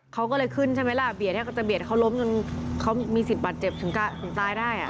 เขาก็เลยขึ้นใช่ไหมล่ะเบียดจะเบียดเขาล้มจนเขามีสิทธิบัตรเจ็บถึงตายได้